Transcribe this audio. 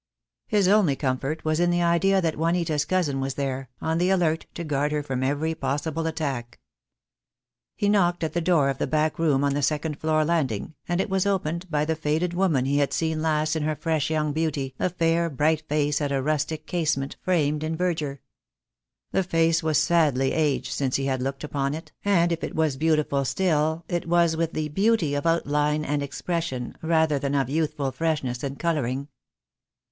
His only comfort was in the idea that Juanita's cousin was there, on the alert to guard her from every possible attack. He knocked at the door of the back room on the second floor landing, and it was opened by the faded woman he had seen last in her fresh young beauty, a fair, bright face at a rustic casement, framed in verdure. The face was sadly aged since he had looked upon it, and if it was beautiful still it was with the beauty of outline and expression, rather than of youthful freshness and colouring.